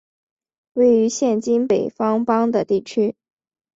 位于现今北方邦的地区。